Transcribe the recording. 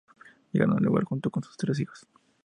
Llegaron al lugar junto con sus tres hijos.